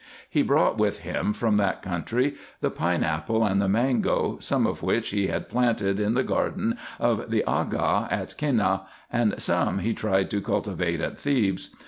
He brought with him from that country the pine apple and the mango, some of which he had planted in the garden of the Aga at Kenneh, and some he tried to cultivate at Thebes.